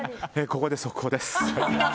ここで速報です。